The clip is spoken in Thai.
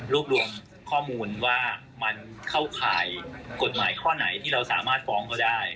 รวมรวมข้อมูลว่ามันเข้าข่ายกฎหมายข้อไหนที่เราสามารถฟ้องเขาได้